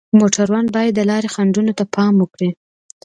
موټروان باید د لارې خنډونو ته پام وکړي.